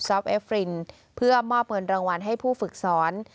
เอฟรินเพื่อมอบเงินรางวัลให้ผู้ฝึกสอน